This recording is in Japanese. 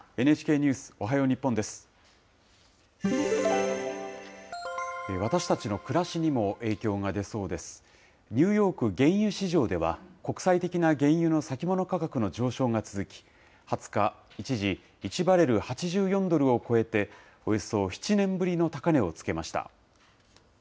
ニューヨーク原油市場では、国際的な原油の先物価格の上昇が続き、２０日、一時、１バレル８４ドルを超えて、およそ７年ぶりの高値をつけました。